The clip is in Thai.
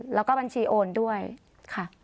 แล้วก็บัญชีโอนด้วยค่ะ